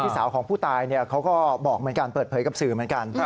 สาวของผู้ตายเขาก็บอกเหมือนกันเปิดเผยกับสื่อเหมือนกัน